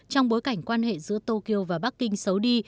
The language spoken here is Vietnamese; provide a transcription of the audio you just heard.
trong bối cảnh quan hệ giữa tokyo và bắc kinh xấu đi